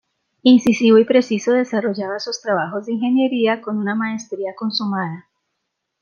Incisivo y preciso desarrollaba sus trabajos de ingeniería con una maestría consumada.